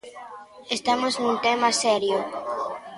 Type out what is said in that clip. Estamos nun tema serio.